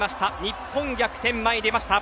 日本逆転、前に出ました。